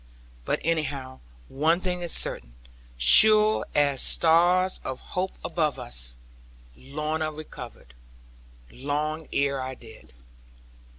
But anyhow, one thing is certain; sure as stars of hope above us; Lorna recovered, long ere I did.